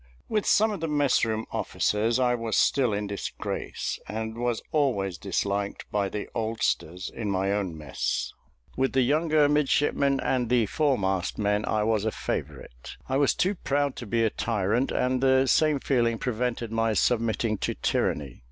With some of the mess room officers I was still in disgrace, and was always disliked by the oldsters in my own mess; with the younger midshipmen and the foremast men I was a favourite. I was too proud to be a tyrant, and the same feeling prevented my submitting to tyranny.